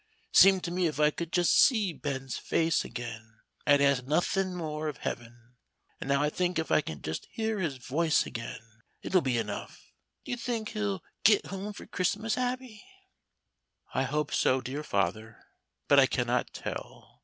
Seemed to me if I could just see Ben's face again, I'd ask nothin' more of Heaven. And now I think if I can just hear his voice again, it'll be enough. Do you think he'll git home for Christmas, Abby?" "I hope so, dear father, but I cannot tell."